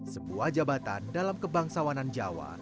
sebuah jabatan dalam kebangsawanan jawa